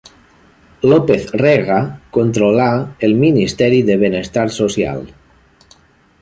López Rega controlà el Ministeri de benestar Social.